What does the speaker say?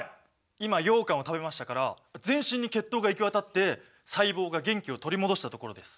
今ようかんを食べましたから全身に血糖が行き渡って細胞が元気を取り戻したところです。